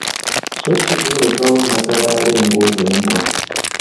So si kubulekaawo nnagalaale ng‘obwembwa.